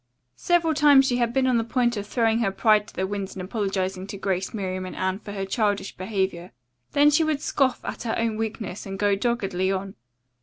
Several times she had been on the point of throwing her pride to the winds and apologizing to Grace, Miriam and Anne for her childish behavior. Then she would scoff at her own weakness and go doggedly on.